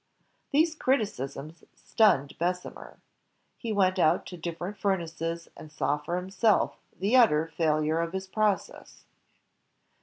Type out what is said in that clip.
These criticisms stunned Bessemer. He went out to the differ ent furnaces and saw for himself the utter failure of his process.